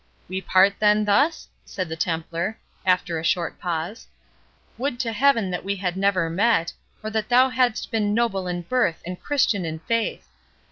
"We part then thus?" said the Templar, after a short pause; "would to Heaven that we had never met, or that thou hadst been noble in birth and Christian in faith!